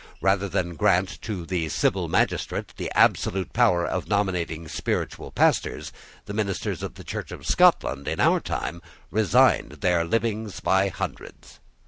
Rather than grant to the civil magistrate the absolute power of nominating spiritual pastors, the ministers of the Church of Scotland, in our time, resigned their livings by hundreds.